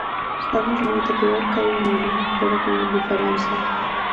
Estamos moito peor que hai un ano, pero con diferenza.